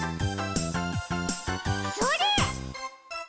それ！